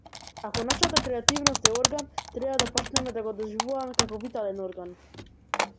Ако нашата креативност е орган, треба да почнеме да го доживуваме како витален орган.